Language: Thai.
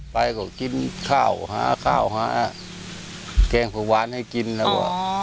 ไปก็กินข้าวหาข้าวหาแกงเผาหวานให้กินแล้วก็